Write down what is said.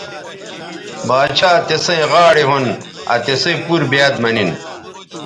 باڇھا تسئیں غاڑے ھون آ تِسئ پور بیاد مہ نن